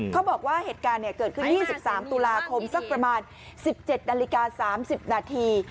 เขาบอกว่าเหตุการณ์เกิดขึ้น๒๓ตุลาคมสักประมาณ๑๗นาฬิกา๓๐นาที